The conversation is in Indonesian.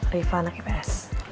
rifah anak ips